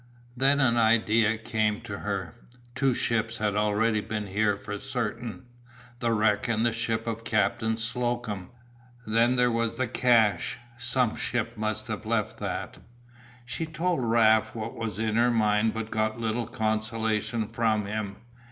Then an idea came to her. Two ships had already been here for certain: the wreck and the ship of Captain Slocum, then there was the cache, some ship must have left that. She told Raft what was in her mind but got little consolation from him.